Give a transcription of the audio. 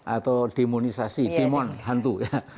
atau demonisasi demon hantu